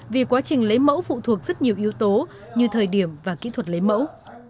vì quá trình lấy mẫu phụ thuộc rất nhiều yếu tố như thời điểm và kỹ thuật lấy mẫu